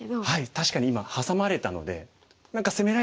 確かに今ハサまれたので何か攻められてそうだよね。